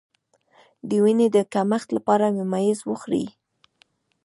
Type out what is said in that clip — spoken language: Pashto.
د وینې د کمښت لپاره ممیز وخورئ